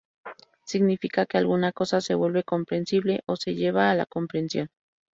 Significa que alguna cosa se vuelve "comprensible" o "se lleva a la comprensión".